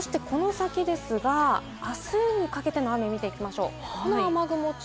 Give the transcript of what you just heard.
そしてこの先ですが、あすにかけての雨を見ていきましょう。